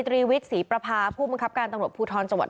ตรีวิทย์ศรีประพาผู้บังคับการตำรวจภูทรจังหวัด